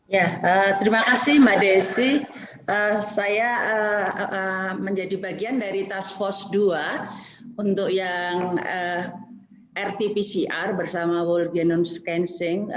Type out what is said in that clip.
ya terima kasih mbak desi saya menjadi bagian dari task force dua untuk yang rt pcr bersama world genome sequencing